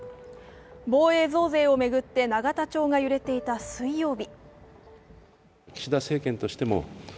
防衛増税を巡って永田町が揺れていた水曜日。